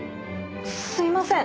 すいません。